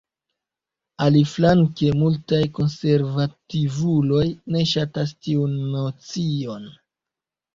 Aliflanke multaj konservativuloj ne ŝatas tiun nocion.